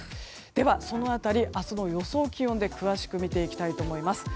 ではその辺り明日の予想気温で詳しく見ていきたいと思います。